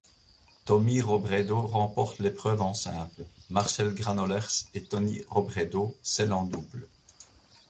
Tommy Robredo remporte l'épreuve en simple, Marcel Granollers et Tommy Robredo celle en double.